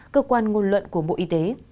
cơ quan ngôn luận của bộ y tế